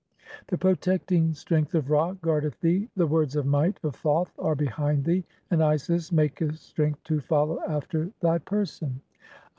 The "protecting strength of Ra guardeth thee, the words of might "of Thoth are behind thee, and Isis maketh strength to follow "after thy person (i3)."